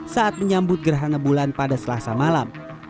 saat menyambut gerhana bulan pada selasa malam